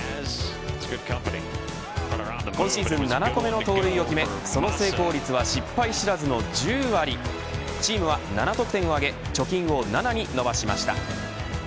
今シーズン７個目の盗塁を決めその成功率は失敗知らずの１０割チームは７得点を挙げ貯金を７に伸ばしました。